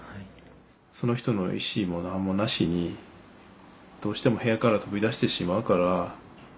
その人の意思も何もなしにどうしても部屋から飛び出してしまうから縛られる。